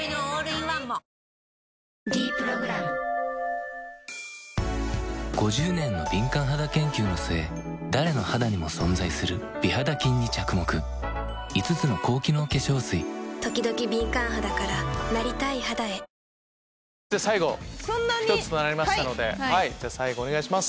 「ｄプログラム」５０年の敏感肌研究の末誰の肌にも存在する美肌菌に着目５つの高機能化粧水ときどき敏感肌からなりたい肌へ最後１つとなりましたので最後お願いします。